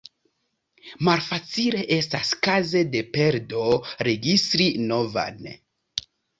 Malfacile estas kaze de perdo registri novan.